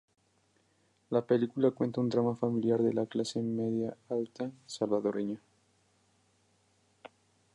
La película cuenta un drama familiar de la clase media alta salvadoreña.